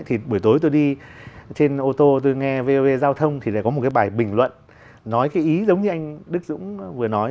thì buổi tối tôi đi trên ô tô tôi nghe vov giao thông thì lại có một cái bài bình luận nói cái ý giống như anh đức dũng vừa nói